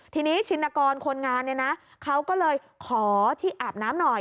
ทีนี้ชินกรคนงานเนี่ยนะเขาก็เลยขอที่อาบน้ำหน่อย